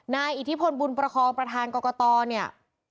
อิทธิพลบุญประคองประธานกรกตเนี่ย